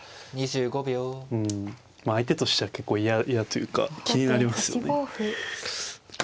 うん相手としては結構嫌嫌というか気になりますよね。